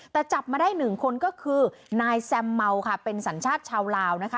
แต่จับมาได้หนึ่งคนก็คือนายแซมเมาค่ะเป็นสัญชาติชาวลาวนะคะ